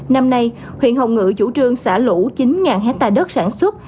năm nay huyện hồng ngự chủ trương xả lũ chín hectare đất sản xuất